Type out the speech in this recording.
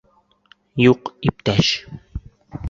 Юҡ, иптәш!